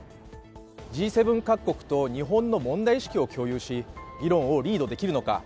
Ｇ７各国と日本の問題意識を共有し、議論をリードできるのか。